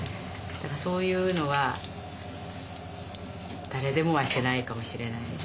そういうのは誰でもはしてないかもしれないですよね。